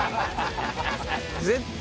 絶対。